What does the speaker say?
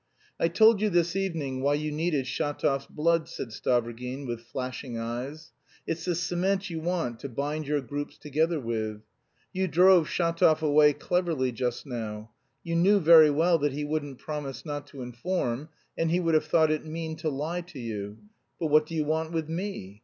"I told you this evening why you needed Shatov's blood," said Stavrogin, with flashing eyes. "It's the cement you want to bind your groups together with. You drove Shatov away cleverly just now. You knew very well that he wouldn't promise not to inform and he would have thought it mean to lie to you. But what do you want with me?